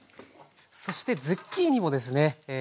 そしてズッキーニもですね